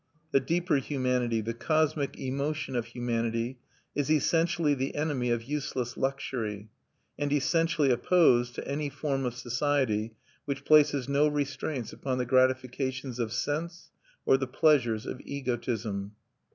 The deeper humanity, the cosmic emotion of humanity, is essentially the enemy of useless luxury, and essentially opposed to any form of society which places no restraints upon the gratifications of sense or the pleasures of egotism.